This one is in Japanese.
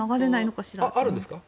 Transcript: あるんですか？